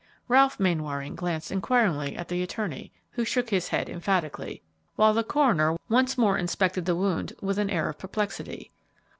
Ralph Mainwaring glanced inquiringly at the attorney, who shook his head emphatically, while the coroner once more inspected the wound with an air of perplexity.